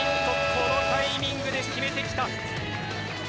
このタイミングで決めてきた。